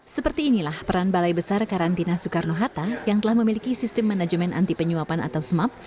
seperti inilah peran balai besar karantina soekarno hatta yang telah memiliki sistem manajemen anti penyuapan atau smap